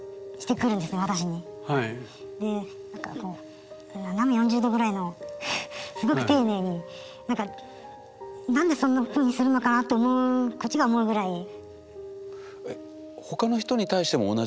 で何かこう斜め４０度ぐらいのすごく丁寧に何でそんなふうにするのかな？と思うこっちが思うぐらいに。